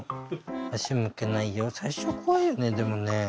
足向けないよ最初は怖いよねでもね。